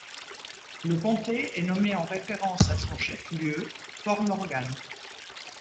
Le comté est nommé en référence à son chef-lieu, Fort Morgan.